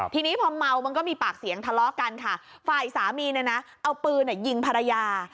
ทีนี้พอเมามันก็มีปากเสียงทะเลาะกันค่ะฝ่ายสามีเนี่ยนะเอาปืนยิงภรรยา